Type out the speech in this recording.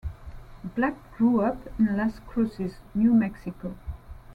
Black grew up in Las Cruces, New Mexico.